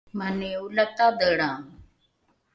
mani olatadhelrao